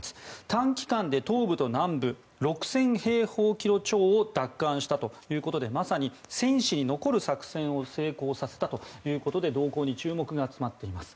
短期間で東部と南部６０００平方キロメートル超を奪還したということでまさに戦史に残る作戦を成功させたということで動向に注目が集まっています。